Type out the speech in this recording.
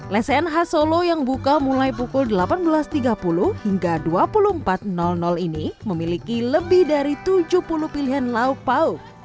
lesehan khas solo yang buka mulai pukul delapan belas tiga puluh hingga dua puluh empat ini memiliki lebih dari tujuh puluh pilihan lauk pauk